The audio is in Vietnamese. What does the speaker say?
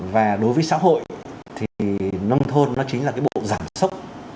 và đối với xã hội thì nông thôn nó chính là cái bộ giảm sốc